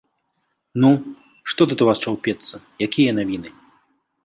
Ну, што тут у вас чаўпецца, якія навіны?